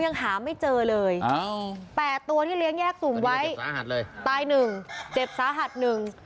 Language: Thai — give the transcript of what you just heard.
ยังหาไม่เจอเลยอ่าแปดตัวที่เลี้ยงแยกสุ่มไว้สาหัสเลยตายหนึ่งเจ็บสาหัสหนึ่ง